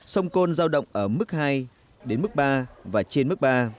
sông côn giao động ở mức hai đến mức ba và trên mức ba